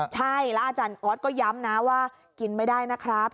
ใช่แล้วอาจารย์ออสก็ย้ำนะว่ากินไม่ได้นะครับ